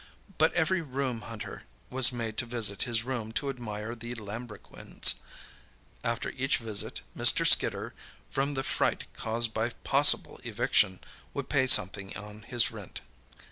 But every room hunter was made to visit his room to admire the lambrequins. After each visit, Mr. Skidder, from the fright caused by possible eviction, would pay something on his rent.